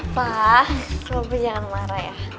pak semoga jangan marah ya